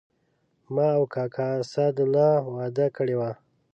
ما او کاکا اسدالله وعده کړې وه.